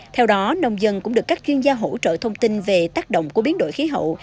theo đó nông dân cũng được các chuyên gia hỗ trợ thông tin về tác động của biến đổi khí hậu